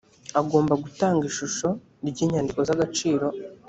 agomba gutanga ishusho ry’inyandiko z’agaciro